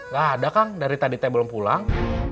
gak ada kang dari tadi saya belum pulang